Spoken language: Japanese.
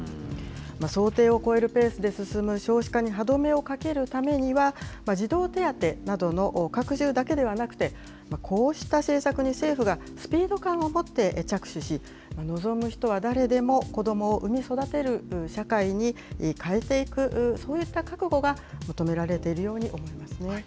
想定を超えるペースで進む少子化に歯止めをかけるためには、児童手当などの拡充だけではなくて、こうした政策に政府がスピード感を持って着手し、望む人は誰でも子どもを産み育てる社会に変えていく、そういった覚悟が求められているように思いますね。